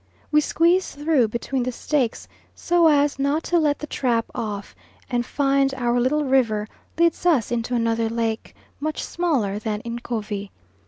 We squeeze through between the stakes so as not to let the trap off, and find our little river leads us into another lake, much smaller than Ncovi.